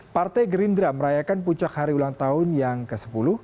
partai gerindra merayakan puncak hari ulang tahun yang ke sepuluh